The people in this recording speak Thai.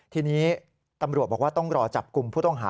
ทีนี้ตำรวจบอกว่าต้องรอจับกลุ่มผู้ต้องหา